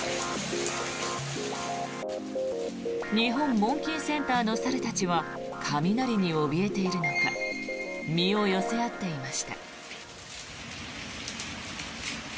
日本モンキーセンターの猿たちは雷におびえているのか身を寄せ合っていました。